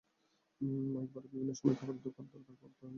Mic ভাড়া, বিভিন্ন সময় খাবারের দরকার পড়ত, সেগুলো এখান থেকে সংস্থান করেছি।